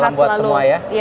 salam buat semua ya